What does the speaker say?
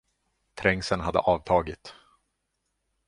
Trängseln hade avtagit.